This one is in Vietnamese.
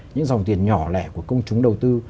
những dòng tiền nhỏ lẻ của công chúng đầu tư